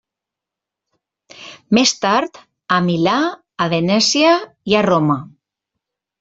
Més tard, a Milà, a Venècia i a Roma.